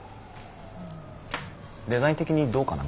デザイン的にどうかな？